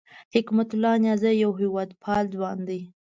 حکمت الله نیازی یو هېواد پال ځوان دی